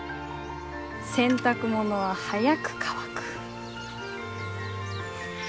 「洗濯物は早く乾く」！